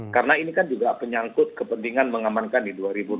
karena ini kan juga penyangkut kepentingan mengamankan di dua ribu dua puluh empat